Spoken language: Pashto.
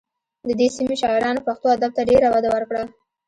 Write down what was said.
د دې سیمې شاعرانو پښتو ادب ته ډېره وده ورکړه